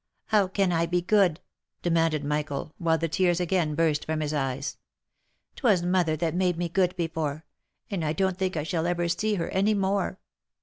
" How can I be good?" demanded Michael, while the tears again burst from his eyes. " 'Twas mother that made me good before, and I don't think I shall ever see her any more."